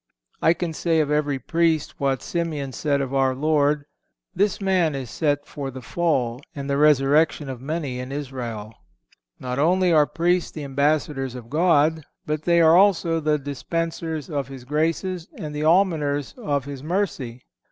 I can say of every Priest what Simeon said of our Lord, "This man is set for the fall and the resurrection of many in Israel." Not only are Priests the ambassadors of God, but they are also the dispensers of His graces and the almoners of His mercy.